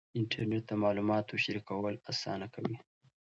انټرنېټ د معلوماتو شریکول اسانه کوي.